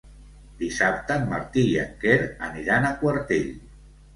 Dissabte en Martí i en Quer aniran a Quartell.